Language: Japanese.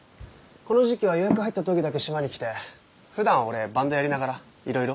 この時季は予約入ったときだけ島に来て普段俺バンドやりながら色々。